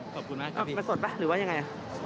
ขอบคุณมากครับพี่ไปสดไปหรือว่ายังไง